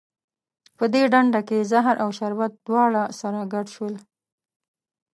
په دې ډنډه کې زهر او شربت دواړه سره ګډ شول.